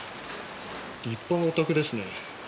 立派なお宅ですね。